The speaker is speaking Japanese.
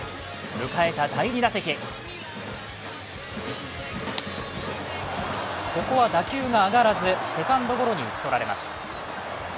迎えた第２打席、ここは打球が上がらずセカンドゴロに打ち取られます。